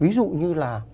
ví dụ như là